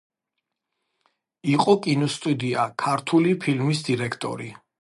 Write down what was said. იყო კინოსტუდია „ქართული ფილმის“ დირექტორი.